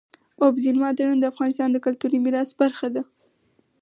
اوبزین معدنونه د افغانستان د کلتوري میراث برخه ده.